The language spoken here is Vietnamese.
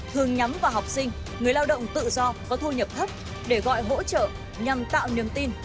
thường nhắm vào học sinh người lao động tự do có thu nhập thấp để gọi hỗ trợ nhằm tạo niềm tin